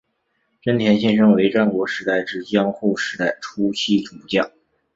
真田信胜为战国时代至江户时代初期武将。